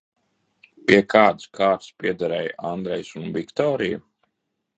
Pie kādas kārtas piederēja Andrejs un Viktorija?